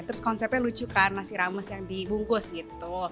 terus konsepnya lucu kan nasi rames yang dibungkus gitu